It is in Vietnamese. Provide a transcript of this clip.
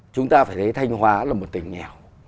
chúng ta phải thấy thanh hóa là một tỉnh nghèo